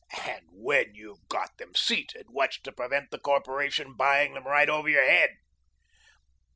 "And when you've got them seated, what's to prevent the corporation buying them right over your head?"